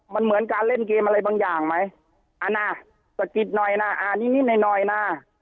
มันเหมือนการเล่นเกมอะไรบางอย่างไหมอ่านะสะกิดหน่อยนะอ่านนิดหน่อยหน่อยนะ